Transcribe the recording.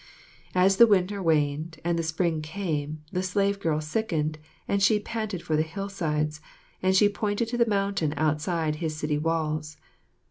As the winter waned and the spring came, the slave girl sickened, said she panted for the hillsides, and she pointed to the mountain outside his city walls.